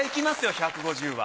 １５０は。